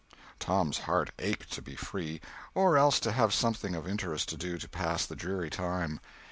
Tom's heart ached to be free, or else to have something of interest to do to pass the dreary time.